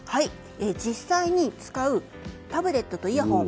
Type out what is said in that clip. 実際に使うタブレットとイヤホン